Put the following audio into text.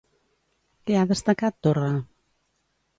Què ha destacat Torra?